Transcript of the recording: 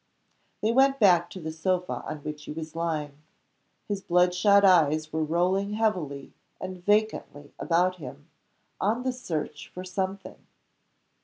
They went back to the sofa on which he was lying. His bloodshot eyes were rolling heavily and vacantly about him, on the search for something.